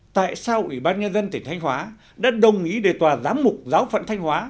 tại sao ủy ban nhân dân tỉnh thanh hóa đã đồng ý đề tòa giám mục giáo phận thanh hóa